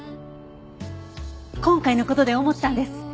今回の事で思ったんです。